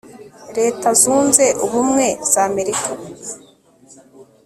leta zunze ubumwe za america